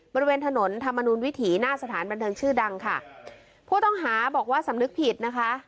บริเวณถนนธรรมนุนวิถีหน้าสถานบันเทิงชื่อดังค่ะผู้ต้องหาบอกว่าสำนึกผิดนะคะ